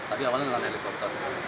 tadi awalnya dengan helikopter